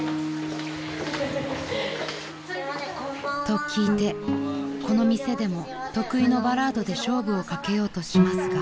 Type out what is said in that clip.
［と聞いてこの店でも得意のバラードで勝負をかけようとしますが］